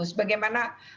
sebagaimana pengaduan itu